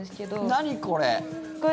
何これ？